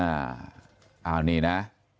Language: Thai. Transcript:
อ่าอันนี้นะ